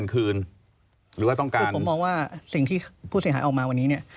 คือผมมองว่าสิ่งที่ผู้เสียหายออกมาวันนี้เนี่ย